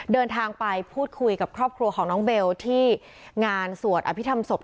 เดินทางไปพูดคุยกับครอบครัวของน้องเบลที่งานสวดอภิษฐรรมศพ